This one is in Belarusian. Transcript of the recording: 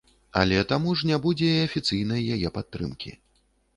Але таму ж не будзе і афіцыйнай яе падтрымкі.